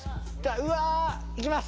うわーいきます